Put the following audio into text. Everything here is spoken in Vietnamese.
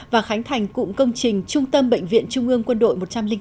và khánh thành cụm công trình trung tâm bệnh viện trung ương quân đội một trăm linh tám